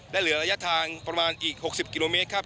และเหลือระยะทางประมาณอีก๖๐กิโลเมตรครับ